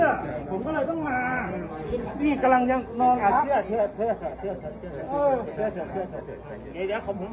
อย่าลังเกยนุคทาหนูผมมาถ้ารู้ว่าจากสหรับฮัสคุณ